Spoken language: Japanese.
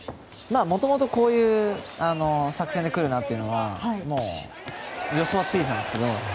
もともとこういう作戦で来るなというのはもう予想はついてたんですけど。